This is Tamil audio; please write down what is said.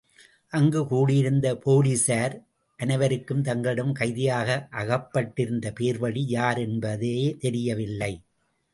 அங்கு கூடியிருந்த போலிஸார் அனைவருக்கும் தங்களிடம் கைதியாக அகப்பட்டிருந்த பேர்வழி யார் என்பதே தெரியவில்லை.